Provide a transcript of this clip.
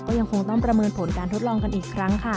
ก็ยังคงต้องประเมินผลการทดลองกันอีกครั้งค่ะ